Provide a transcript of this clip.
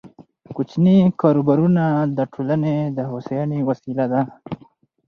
کوچني کاروبارونه د ټولنې د هوساینې وسیله ده.